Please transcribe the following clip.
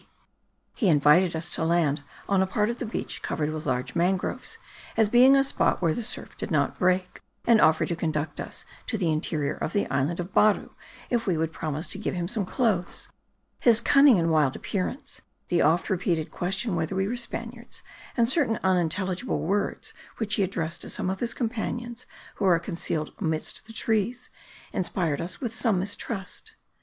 He invited us to land on a part of the beach covered with large mangroves, as being a spot where the surf did not break, and offered to conduct us to the interior of the island of Baru if we would promise to give him some clothes. His cunning and wild appearance, the often repeated question whether we were Spaniards, and certain unintelligible words which he addressed to some of his companions who were concealed amidst the trees, inspired us with some mistrust.